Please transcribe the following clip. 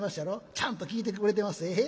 ちゃんと聴いてくれてまっせ」。